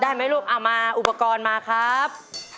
ได้ไหมลูกเอามาอุปกรณ์มาครับ